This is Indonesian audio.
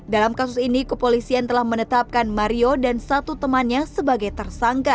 dalam kasus ini kepolisian telah menetapkan mario dan satu temannya sebagai tersangka